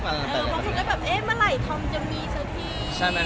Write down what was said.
ยังไม่ได้วางแผนเลย